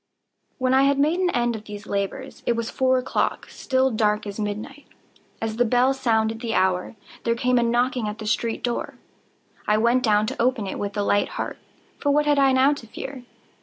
When I had made an end of these labors, it was four o'clock—still dark as midnight. As the bell sounded the hour, there came a knocking at the street door. I went down to open it with a light heart,—for what had I now to fear?